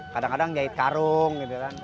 kadang kadang jahit karung